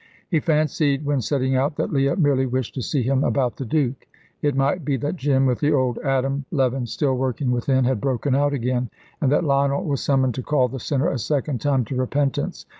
He fancied, when setting out, that Leah merely wished to see him about the Duke. It might be that Jim, with the Old Adam leaven still working within, had broken out again, and that Lionel was summoned to call the sinner a second time to repentance.